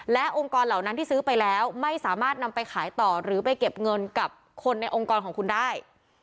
และองค์กรเหล่านั้นที่ซื้อไปแล้วไม่สามารถนำไปขายต่อหรือไปเก็บเงินกับคนในองค์กรของคุณได้